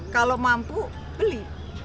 kalau mampu beli